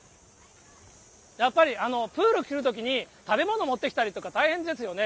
やっぱりプール来るときに食べ物持ってきたりとか、大変ですよね。